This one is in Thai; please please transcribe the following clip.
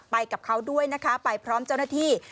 กับเขาด้วยนะคะไปพร้อมเจ้าหน้าที่